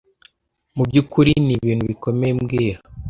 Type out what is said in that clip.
Mu byukuri ni ibintu bikomeye mbwira